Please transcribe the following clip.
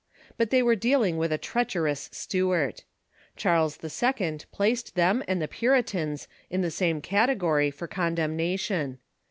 Jbut they were dealing with a treacherous Stuart. Charles II. placed them and the Puritans in the same category for con demnation.